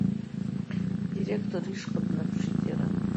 Ҳдиректор ишҟа даанаԥшит иара.